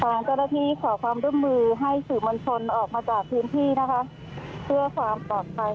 ทางเจ้าหน้าที่ขอความร่วมมือให้สื่อมวลชนออกมาจากพื้นที่นะคะเพื่อความปลอดภัย